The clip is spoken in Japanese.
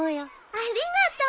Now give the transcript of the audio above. ありがとう。